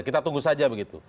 kita tunggu saja begitu